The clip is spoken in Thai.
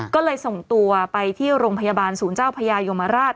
ก็เลยส่งตัวไปที่โรงพยาบาลศูนย์เจ้าพญายมราช